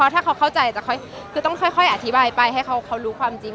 ถ้าเขาเข้าใจจะค่อยคือต้องค่อยอธิบายไปให้เขารู้ความจริง